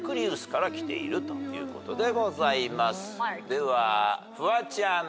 ではフワちゃん。